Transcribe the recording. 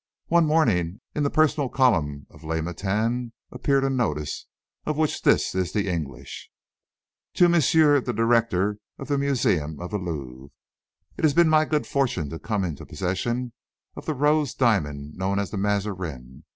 One morning, in the personal column of Le Matin, appeared a notice, of which this is the English: "To M. the Director of the Museum of the Louvre: "It has been my good fortune to come into possession of the rose diamond known as the Mazarin.